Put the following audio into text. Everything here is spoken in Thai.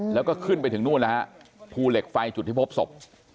แล้วก็ขึ้นไปถึงนู่นแล้วฮะภูเหล็กไฟจุดที่พบศพ